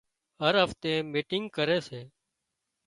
هر هفتي ميٽنگ ڪري سي